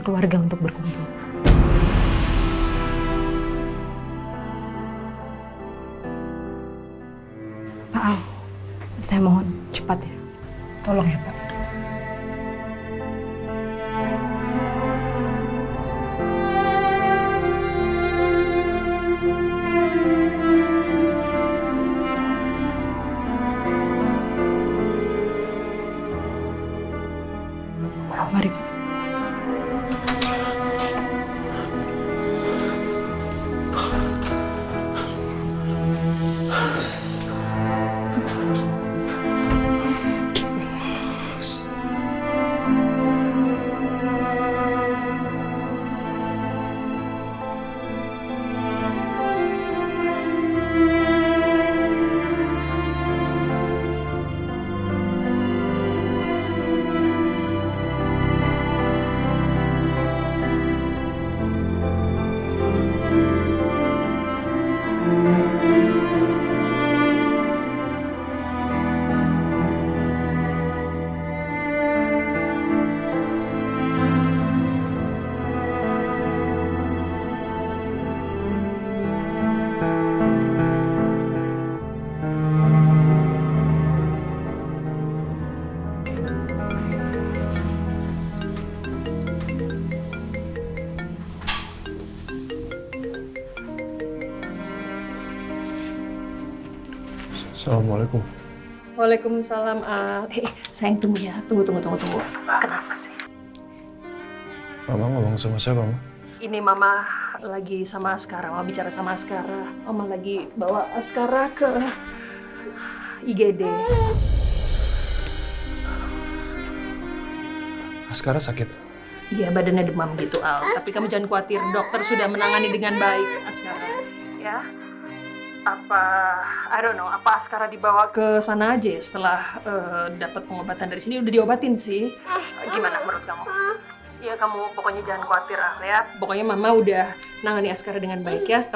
keluarga untuk berkumpul pak al saya mohon cepat ya tolong ya pak